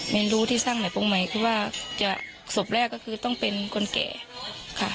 เรียนรู้ที่สร้างใหม่โปรงใหม่คือว่าจะศพแรกก็คือต้องเป็นคนแก่ค่ะ